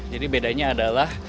jadi bedanya adalah